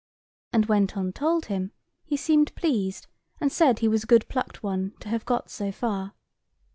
And, when Tom told him, he seemed pleased, and said he was a good plucked one to have got so far.